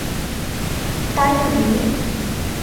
তাইতো, মিমি।